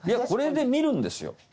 これで見るんですよ。